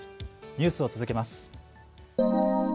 ニュースを続けます。